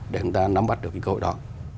để chúng ta nắm bắt được cái cơ hội đó